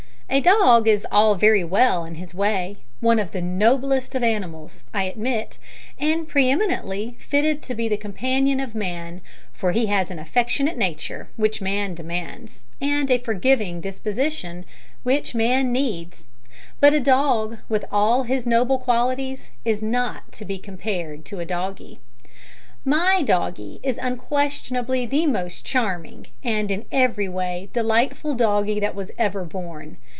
A dog is all very well in his way one of the noblest of animals, I admit, and pre eminently fitted to be the companion of man, for he has an affectionate nature, which man demands, and a forgiving disposition, which man needs but a dog, with all his noble qualities, is not to be compared to a doggie. My doggie is unquestionably the most charming, and, in every way, delightful doggie that ever was born.